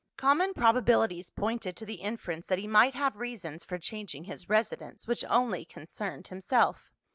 Common probabilities pointed to the inference that he might have reasons for changing his residence, which only concerned himself.